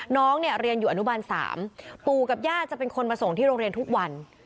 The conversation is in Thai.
น้องเนี่ยเรียนอยู่อนุบาล๓ปู่กับย่าจะเป็นคนมาส่งที่โรงเรียนทุกวัน